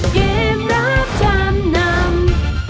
เกมรับจำนำ